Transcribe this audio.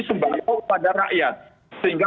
sebanyak kepada rakyat sehingga